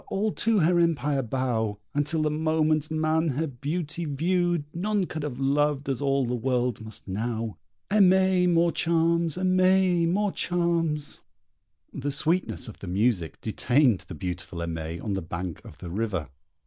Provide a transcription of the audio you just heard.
all to her empire bow! And till the moment man her beauty viewed None could have loved as all the world must now! Aimée more charms, &c. The sweetness of the music detained the beautiful Aimée on the bank of the river.